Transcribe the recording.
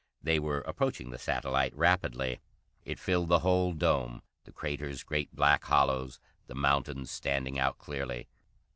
They were approaching the satellite rapidly. It filled the whole dome, the craters great black hollows, the mountains standing out clearly.